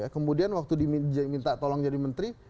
kemudian waktu diminta tolong jadi menteri